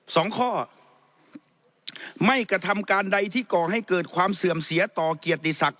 สองข้อไม่กระทำการใดที่ก่อให้เกิดความเสื่อมเสียต่อเกียรติศักดิ